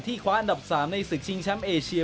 ที่คว้าอันดับ๓ในศึกชิงช้ำเอเชีย